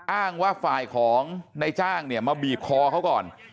อ้างว่าฝ่ายของนายจ้างเนี่ยมาบีบคอเขาก่อน